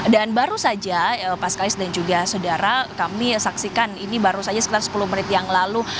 dan baru saja pak skalis dan juga saudara kami saksikan ini baru saja sekitar sepuluh menit yang lalu